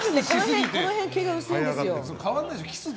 この辺、毛が薄いんですよ。